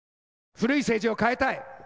古い政治を変えたい。